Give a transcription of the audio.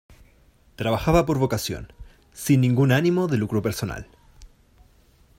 Trabajaba por vocación, sin ningún ánimo de lucro personal.